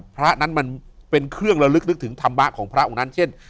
พระนั้นมันเป็นเครื่องระลึกนึกถึงธรรมะของพระองค์นั้นเช่น